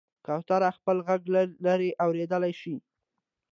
کوتره خپل غږ له لرې اورېدلی شي.